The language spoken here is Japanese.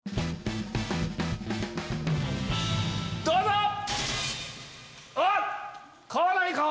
どうぞ！